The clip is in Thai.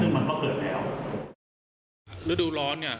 เวลกาที่ก็เกิดเพลิ่นไหม้ได้